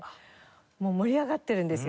もう盛り上がってるんですよ。